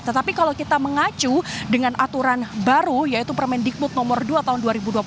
tetapi kalau kita mengacu dengan aturan baru yaitu permendikbud nomor dua tahun dua ribu dua puluh